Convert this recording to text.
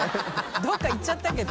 どこか行っちゃったけど。